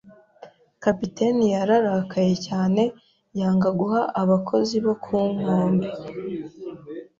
Kapiteni yararakaye cyane yanga guha abakozi bo ku nkombe.